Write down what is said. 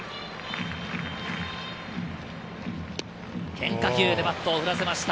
変化球でバットを振らせました。